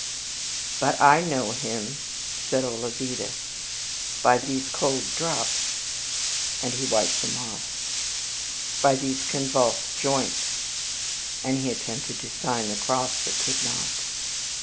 "But I know him," said Olavida, "by these cold drops!" and he wiped them off; "by these convulsed joints!" and he attempted to sign the cross, but could not.